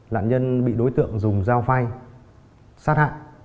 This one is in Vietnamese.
nạn nhân bị đối tượng dùng dao phay sát hại